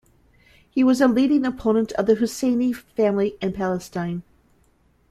He was a leading opponent of the Husayni family in Palestine.